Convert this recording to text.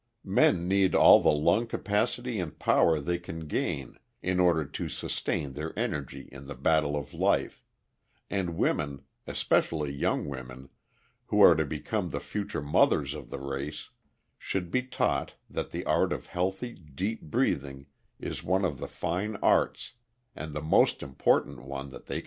Men need all the lung capacity and power they can gain in order to sustain their energy in the battle of life; and women, especially young women, who are to become the future mothers of the race, should be taught that the art of healthy, deep breathing is one of the fine arts, and the most important one that they can learn.